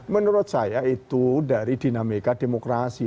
menurut saya itu dari dinamika demokrasi